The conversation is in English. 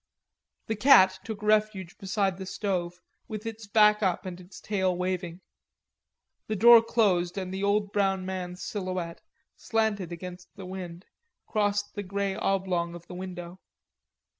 The cat took refuge beside the stove, with its back up and its tail waving. The door closed and the old brown man's silhouette, slanted against the wind, crossed the grey oblong of the window.